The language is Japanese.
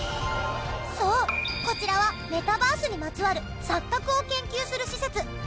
そうこちらはメタバースにまつわる錯覚を研究する施設。